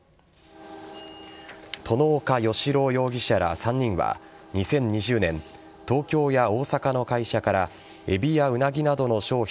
外岡良朗容疑者ら３人は２０２０年東京や大阪の会社からエビやウナギなどの商品